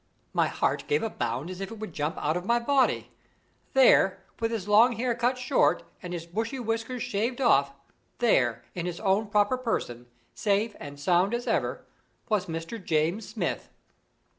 My heart gave a bound as if it would jump out of my body. There, with his long hair cut short, and his bushy whiskers shaved off there, in his own proper person, safe and sound as ever, was Mr. James Smith!